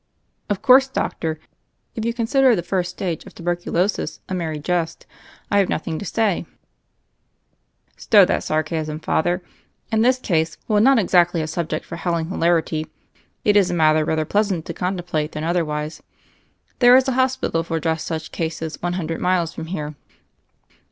"Of course, doctor, if you consider the first stage of tuberculosis a merry jest, I have noth ing to say " "Stow that sarcasm. Father. In this case, while not exactly a subject for howling hilarity, it is a matter rather pleasant to contemplate than otherwise. There is a hospital for just such cases one hundred miles from here.